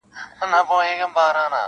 • شا او مخ ته یې پر هر وګړي بار کړل -